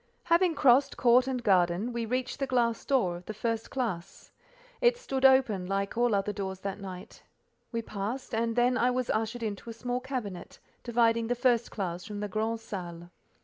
Having crossed court and garden, we reached the glass door of the first classe. It stood open, like all other doors that night; we passed, and then I was ushered into a small cabinet, dividing the first classe from the grand salle.